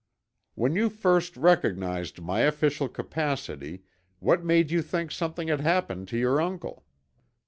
"When you first recognized my official capacity what made you think something had happened to your uncle?"